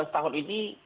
dua belas tahun ini